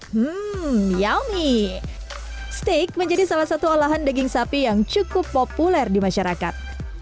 hmm yaomi steak menjadi salah satu olahan daging sapi yang cukup populer di masyarakat